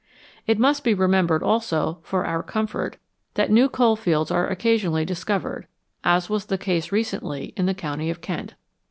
It must be remembered also, for our comfort, that new coalfields are occasionally discovered, as was the case recently in the county of Kent.